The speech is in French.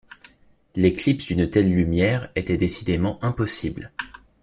L’éclipse d’une telle lumière était décidément impossible.